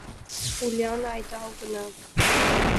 Уляна, айда огына...